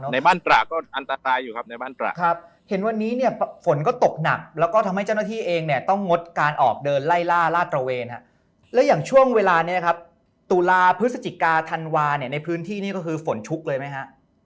ในบ้านตระก็อันตรายอยู่ครับในบ้านตระครับเห็นวันนี้เนี่ยฝนก็ตกหนักแล้วก็ทำให้เจ้าหน้าที่เองเนี่ยต้องงดการออกเดินไล่ล่าลาดตระเวนฮะแล้วอย่างช่วงเวลานี้นะครับตุลาพฤศจิกาธันวาเนี่ยในพื้นที่นี่ก็คือฝนชุกเลยไหมฮะ